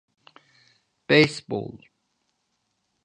Beysbol.